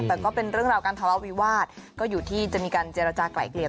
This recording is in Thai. แต่ก็เป็นเรื่องราวการทะเลาะวิวาสก็อยู่ที่จะมีการเจรจากลายเกลี่ย